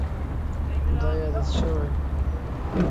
دا یې عادت شوی.